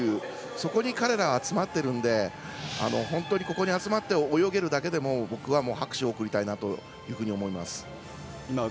そこに彼らは集まってるので本当にここに集まって泳げるだけでも僕は拍手を送りたいと思います。